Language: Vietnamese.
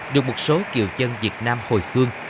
được một số kiều dân việt nam hồi khương